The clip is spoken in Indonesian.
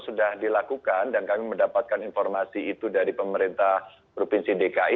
sudah dilakukan dan kami mendapatkan informasi itu dari pemerintah provinsi dki